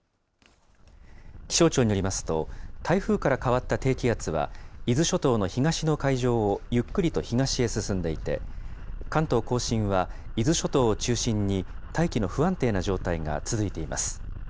気象庁によりますと、台風から変わった低気圧は、伊豆諸島の東の海上をゆっくりと東へ進んでいて、関東甲信は伊豆諸島を中心に大気の不安定な状態が続いています。